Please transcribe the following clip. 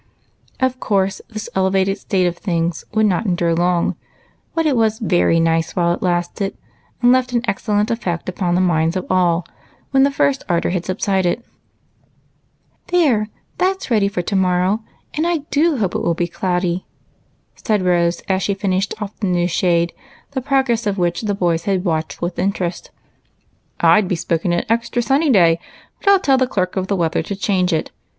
Of course, this elevated state of things could not endure long, but it was very nice while it lasted, and left an excellent effect upon the minds of all when the first ardor had subsided. ♦' THE THER FELL WS. " 139 " There, that 's ready for to morrow, and I do hojje it will be cloudy," said Rose, as she finished off the new shade, the progress of which the boys had watched with interest. " I 'd bespoken an extra sunny day, but I 'II tell the clerk of the weather to change it.